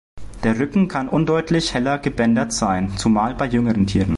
Der Rücken kann undeutlich heller gebändert sein, zumal bei jüngeren Tieren.